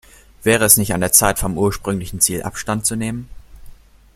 Wäre es nicht an der Zeit, vom ursprünglichen Ziel Abstand zu nehmen?